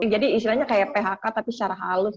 jadi istrinya kayak phk tapi secara halus